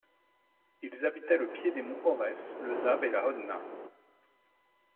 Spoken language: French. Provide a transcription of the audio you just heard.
Ils habitaient le pied des monts Aurès, le Zab et la Hodna.